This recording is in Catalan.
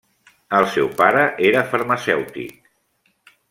El seu pare era farmacèutic.